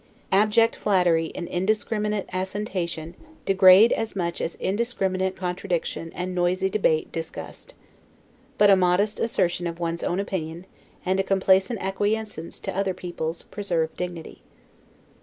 Abject flattery and indiscriminate assentation degrade as much as indiscriminate contradiction and noisy debate disgust. But a modest assertion of one's own opinion, and a complaisant acquiescence to other people's, preserve dignity.